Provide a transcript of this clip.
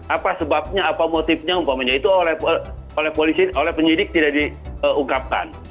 apa sebabnya apa motifnya umpamanya itu oleh polisi oleh penyidik tidak diungkapkan